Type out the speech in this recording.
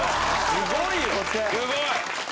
すごい！